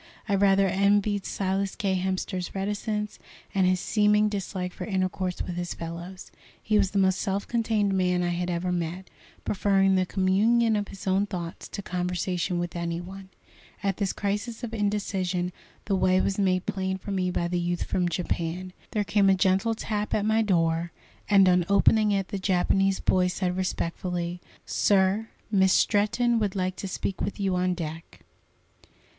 I rather envied Silas K. Hemster's reticence, and his seeming dislike for intercourse with his fellows. He was the most self contained man I had ever met, preferring the communion of his own thoughts to conversation with any one. At this crisis of indecision the way was made plain for me by the youth from Japan. There came a gentle tap at my door, and on opening it the Japanese boy said respectfully: "Sir, Miss Stretton would like to speak with you on deck."